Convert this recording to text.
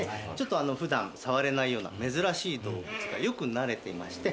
普段触れないような珍しい動物がよくなれていまして。